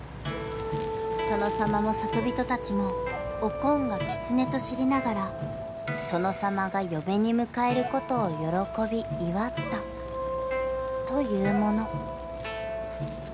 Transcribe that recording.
［殿様も里人たちもおこんがきつねと知りながら殿様が嫁に迎えることを喜び祝ったというもの］